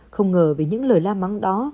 không ngờ vì những lời la mắng đó